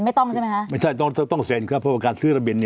ไม่ใช่ต้องเซ็นครับเพราะว่าการซื้อระบิน